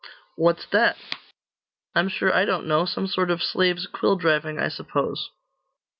'What's that?' 'I'm sure I don't know; some sort of slave's quill driving, I suppose.